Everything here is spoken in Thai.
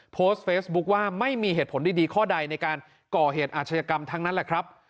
โพสต์เฟซบุ๊คว่าไม่มีเหตุผลดีข้อใดในการก่อเหตุอาชญากรรมทั้งนั้นแหละครับ